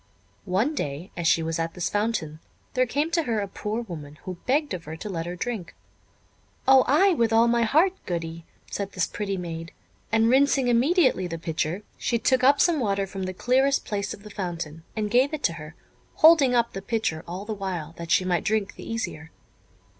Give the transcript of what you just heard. One day, as she was at this fountain, there came to her a poor woman, who begged of her to let her drink. "O ay, with all my heart, Goody," said this pretty maid; and rinsing immediately the pitcher, she took up some water from the clearest place of the fountain, and gave it to her, holding up the pitcher all the while, that she might drink the easier.